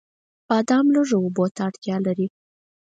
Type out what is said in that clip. بادام لږو اوبو ته اړتیا لري.